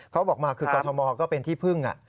เขาบอกมาคือกรทมก็เป็นที่พึ่ง